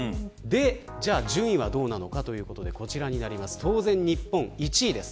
じゃあ順位はどうなのかということで、こちらです当然日本は１位です。